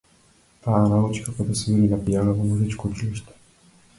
Таа научи како да свири на пијано во музичко училиште.